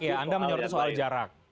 oke jarak ya anda menyebutnya soal jarak